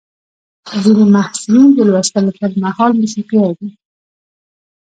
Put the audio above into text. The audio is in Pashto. ځینې محصلین د لوستلو پر مهال موسیقي اوري.